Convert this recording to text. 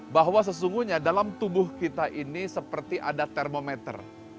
bahwa sesungguhnya dalam tubuh kita ini seperti ada termometer